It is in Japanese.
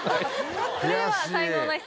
それでは才能ナシ